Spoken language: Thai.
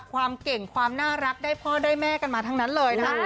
ความเก่งความน่ารักได้พ่อได้แม่กันมาทั้งนั้นเลยนะ